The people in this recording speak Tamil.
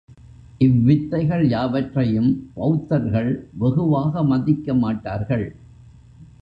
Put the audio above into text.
இவ்வித்தைகள் யாவற்றையும் பெளத்தர்கள் வெகுவாக மதிக்க மாட்டார்கள்.